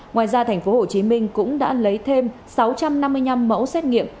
ngoài ra tp hcm cũng đã lấy thêm sáu trăm năm mươi năm mẫu xét nghiệm